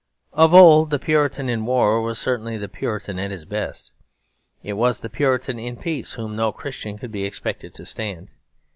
Of old the Puritan in war was certainly the Puritan at his best; it was the Puritan in peace whom no Christian could be expected to stand.